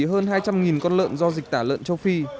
hơn hai trăm linh con lợn do dịch tả lợn châu phi